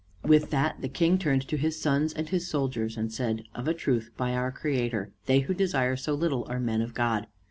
With that the King turned to his sons and his soldiers, and said, "Of a truth, by our Creator, they who desire so little are men of God.